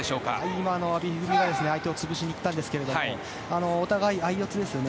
今、阿部一二三が相手を潰しにいったんですがお互い相四つですよね。